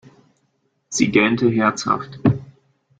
Sie gähnte herzhaft.